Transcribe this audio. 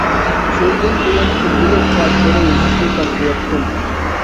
شۇندىن بۇيان كۈندىلىك خاتىرە يېزىشنى تاشلىۋەتتىم.